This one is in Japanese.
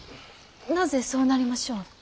なぜそうなりましょう？